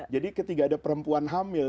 jadi ketika ada perempuan hamil